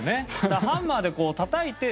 だからハンマーでたたいて。